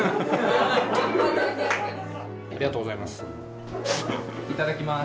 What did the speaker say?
ありがとうございます。